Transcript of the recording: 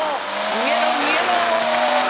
逃げろ逃げろ」。